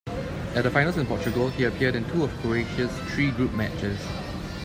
At the finals in Portugal, he appeared in two of Croatia's three group matches.